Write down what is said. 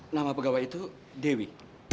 nama pegawai itu dewi